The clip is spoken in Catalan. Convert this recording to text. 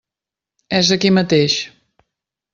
És aquí mateix.